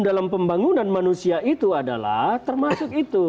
dalam pembangunan manusia itu adalah termasuk itu